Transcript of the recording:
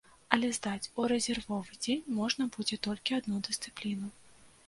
Але здаць у рэзервовы дзень можна будзе толькі адну дысцыпліну.